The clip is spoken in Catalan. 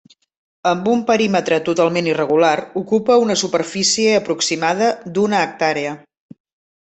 Amb un perímetre totalment irregular ocupa una superfície aproximada d'una hectàrea.